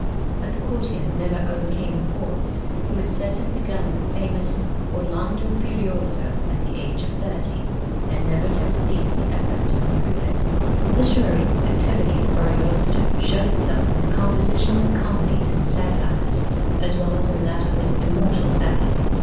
But the courtier never overcame the poet, who is said to have begun the famous 'Orlando Furioso' at the age of thirty, and never to have ceased the effort to improve it. The literary activity of Ariosto showed itself in the composition of comedies and satires, as well as in that of his immortal epic.